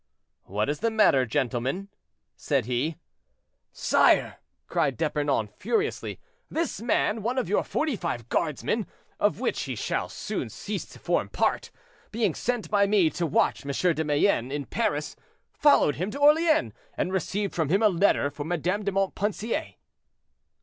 "What is the matter, gentlemen?" said he. "Sire," cried D'Epernon, furiously, "this man, one of your Forty five Guardsmen, of which he shall soon cease to form part, being sent by me to watch M. de Mayenne, in Paris, followed him to Orleans, and received from him a letter for Madame de Montpensier."